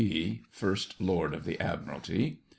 C.B. (First Lord of the Admiralty).